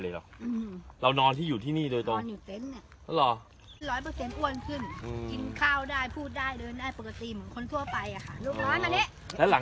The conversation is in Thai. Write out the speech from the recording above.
แล้วอย่างข่าวมันออกไปว่าเรามีการโวยวายอะไรแต่เราไม่ได้ไปเลยหรอก